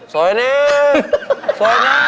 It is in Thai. ส่วยเน่ส่วยเน่